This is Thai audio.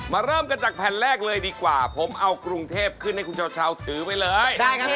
เริ่มกันจากแผ่นแรกเลยดีกว่าผมเอากรุงเทพขึ้นให้คุณเช้าถือไปเลย